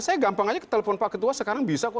saya gampang aja ke telepon pak ketua sekarang bisa kok